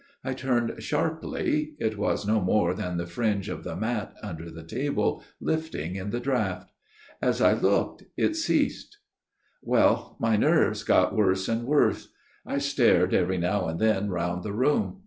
I turned sharply ; it was no more than the fringe of the mat under the table lifting in the draught. As I looked it ceased. " Well ; my nerves got worse and worse. I stared every now and then round the room.